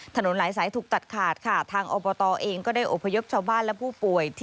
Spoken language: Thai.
หลายสายถูกตัดขาดค่ะทางอบตเองก็ได้อบพยพชาวบ้านและผู้ป่วย